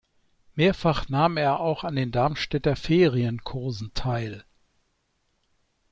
Mehrfach nahm er auch an den Darmstädter Ferienkursen teil.